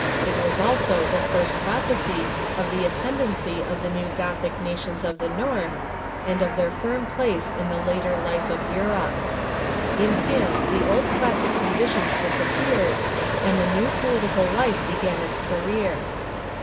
It was also the first prophecy of the ascendency of the new Gothic nations of the North and of their firm place in the later life of Europe. In liim the old classic conditions disappeared, and the new po litical life began its career.